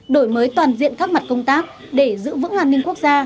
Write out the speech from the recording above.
đổi mới toàn diện các mặt công tác để giữ vững an ninh quốc gia